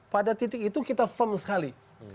pada titik itu kita firm sekali